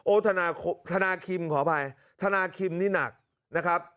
ธนาคิมขออภัยธนาคิมนี่หนักนะครับ